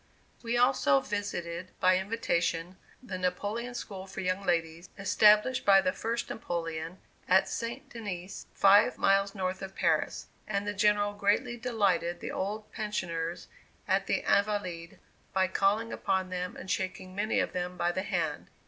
We also visited, by invitation, the Napoleon School for young ladies, established by the First Napoleon, at St. Denis, five miles north of Paris, and the General greatly delighted the old pensioners at the Invalides by calling upon them, and shaking many of them by the hand.